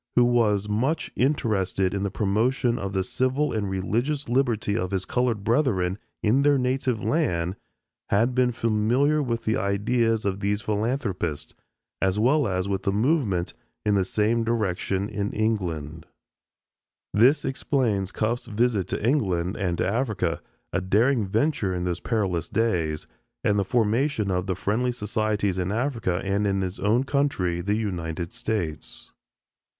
who was much interested in the promotion of the civil and religious liberty of his colored brethren in their native land, had been familiar with the ideas of these philanthropists, as well as with the movement in the same direction in England." History of Sierra Leone, Dublin, 1903, p. 97 This explains Cuffe's visit to England and to Africa a daring venture in those perilous days and the formation of the Friendly Societies in Africa and in his own country, the United States.